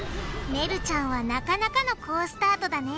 ねるちゃんはなかなかの好スタートだね